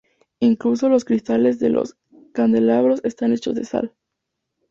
Incluso los cristales de los candelabros están hechos de sal.